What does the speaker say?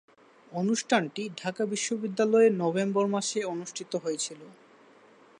অনুষ্ঠানটি ঢাকা বিশ্ববিদ্যালয়ে নভেম্বর মাসে অনুষ্ঠিত হয়েছিলো।